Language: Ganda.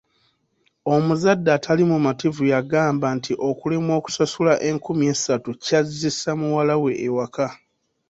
Omuzadde ataali mumativu yagamba nti okulemwa okusasula enkumi essatu kyazzisa muwala we ewaka!